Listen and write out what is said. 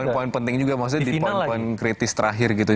poin penting juga maksudnya di poin poin kritis terakhir gitu